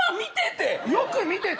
よく見てて。